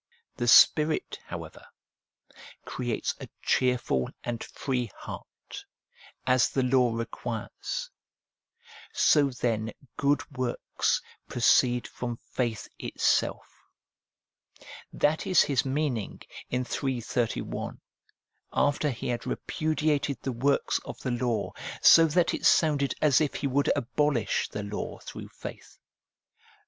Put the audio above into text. The Spirit, however, creates a cheerful 334 APPENDIX and free heart, as the law requires ; so then good works proceed from faith itself. That is his meaning in iii. 31, after he had repudiated the works of the law, so that it sounded as if he would abolish the law through faith.